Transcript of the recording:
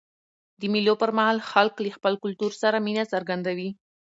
د مېلو پر مهال خلک له خپل کلتور سره مینه څرګندوي.